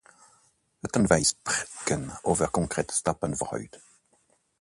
Laten wij spreken over concrete stappen vooruit.